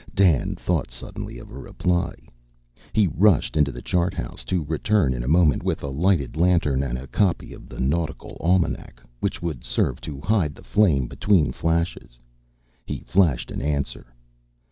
Dan thought suddenly of a reply. He rushed into the charthouse, to return in a moment with a lighted lantern and a copy of the Nautical Almanac which would serve to hide the flame between flashes. He flashed an answer.